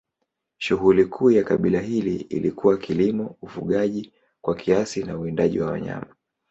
Shughuli kuu ya kabila hili ilikuwa kilimo, ufugaji kwa kiasi na uwindaji wa wanyama.